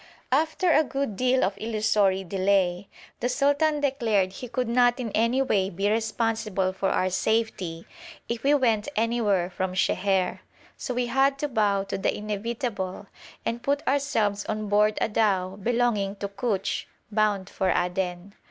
After a good deal of illusory delay, the sultan declared he could not in any way be responsible for our safety if we went anywhere from Sheher, so we had to bow to the inevitable and put ourselves on board a dhow belonging to Kutch, bound for Aden.